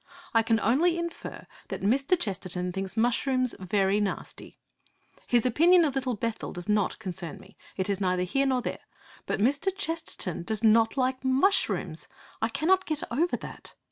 I can only infer that Mr. Chesterton thinks mushrooms very nasty. His opinion of Little Bethel does not concern me. It is neither here nor there. But Mr. Chesterton does not like mushrooms! I cannot get over that!